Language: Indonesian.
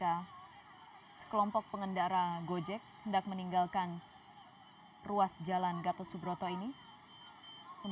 ya sekali lagi ini adalah gambar saat ini di wilayah jalan gatot subroto jakarta selatan